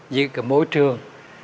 giữ cái môi trường